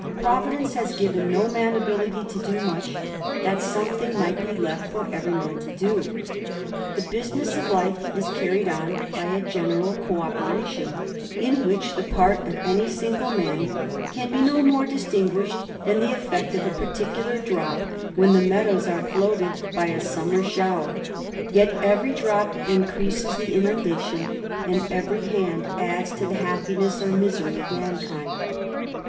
Providence has given no^; man ability to do much, that something be left for evei]^ man to do. The business of life is carried on by a generaTl. co operation ; in which the part of any single man be no more distinguished, than the effect of a particul drop when the meadows are floated by a summer showei yet every drop increases the inundation, and every adds to the happiness or misery of mankind.